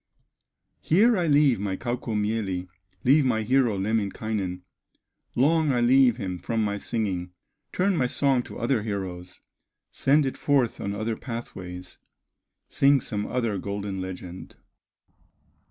Here I leave my Kaukomieli, Leave my hero Lemminkainen, Long I leave him from my singing, Turn my song to other heroes, Send it forth on other pathways, Sing some other golden legend.